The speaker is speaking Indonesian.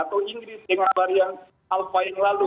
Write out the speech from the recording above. jadi dengan varian alfa yang lalu